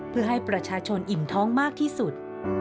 เพื่อให้ประชาชนอิ่มท้องมากที่สุด